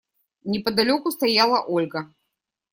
Неподалеку стояла Ольга.